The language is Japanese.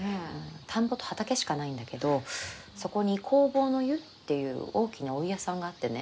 田んぼと畑しかないんだけどそこに弘法湯っていう大きなお湯屋さんがあってね。